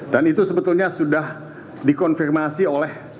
dan itu sebetulnya sudah dikonfirmasi oleh